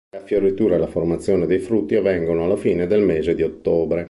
La fioritura e la formazione dei frutti avvengono alla fine del mese di ottobre.